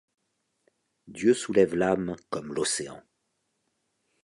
Dieu soulève l’âme comme l’océan.